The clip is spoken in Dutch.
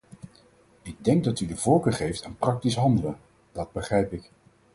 Ik denk dat u de voorkeur geeft aan praktisch handelen; dat begrijp ik.